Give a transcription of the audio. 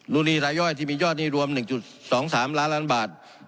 ลูกหนี้รายย่อยที่มียอดหนี้รวมหนึ่งจุดสองสามล้านล้านบาท